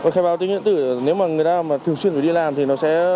khai báo điện tử nếu mà người ta thường xuyên phải đi làm thì nó sẽ hỗ trợ tốt hơn